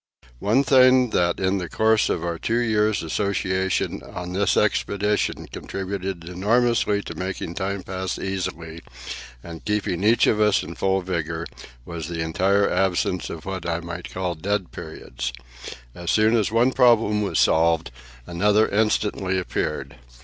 One thing that in the course of our two years' association on this expedition contributed enormously to making time pass easily and keeping each of us in full vigour was the entire absence of what I may call "dead periods." As soon as one problem was solved, another instantly appeared.